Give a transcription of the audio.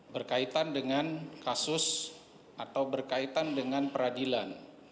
berkaitan dengan kasus atau berkaitan dengan peradilan